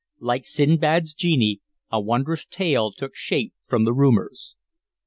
Like Sindbad's genie, a wondrous tale took shape from the rumors.